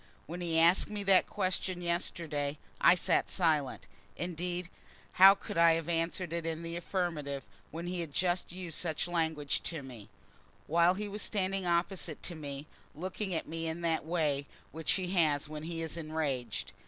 When he asked me that question yesterday, I sat silent. Indeed, how could I have answered it in the affirmative, when he had just used such language to me, while he was standing opposite to me, looking at me in that way which he has when he is enraged?